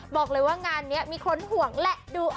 บอกเลยว่างานนี้มีคนห่วงแหละดู